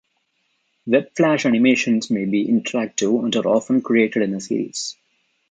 Web Flash animations may be interactive and are often created in a series.